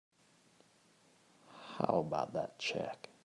How about that check?